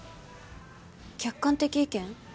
客観的意見？